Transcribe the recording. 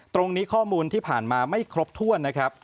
ข้อมูลที่ผ่านมาไม่ครบถ้วนนะครับ